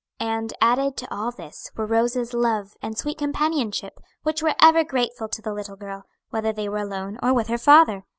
And added to all this were Rose's love and sweet companionship, which were ever grateful to the little girl, whether they were alone or with her father.